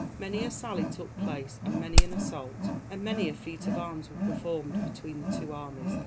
Many a sally took place, and many an assault, and many a feat of arms was performed between the two armies.